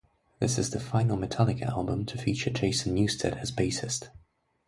This is the final Metallica album to feature Jason Newsted as bassist.